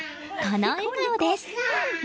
この笑顔です。